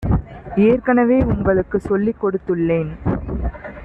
ஏற்கனவே உங்களுக்கு சொல்லிக் கொடுத்துள்ளேன்.